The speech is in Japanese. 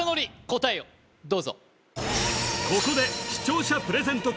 答えをどうぞここで視聴者プレゼント